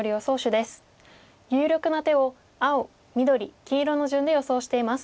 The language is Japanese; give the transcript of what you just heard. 有力な手を青緑黄色の順で予想しています。